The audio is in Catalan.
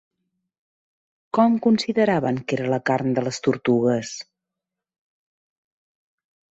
Com consideraven que era la carn de les tortugues?